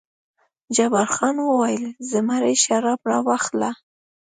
جبار خان وویل: زمري شراب راواخله.